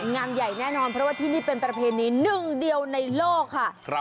งานใหญ่แน่นอนเพราะว่าที่นี่เป็นประเพณีหนึ่งเดียวในโลกค่ะ